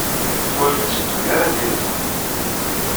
Ur tetteddu ara tliẓri.